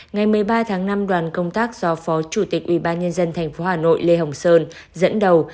ngày một mươi ba tháng năm đoàn công tác do phó chủ tịch ủy ban nhân dân tp hà nội lê hồng sơn dẫn đầu